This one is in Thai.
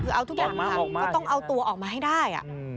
คือเอาทุกอย่างค่ะก็ต้องเอาตัวออกมาให้ได้